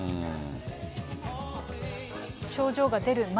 症状が出る前。